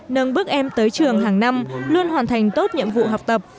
nâng bước em tới trường hàng năm luôn hoàn thành tốt nhiệm vụ học tập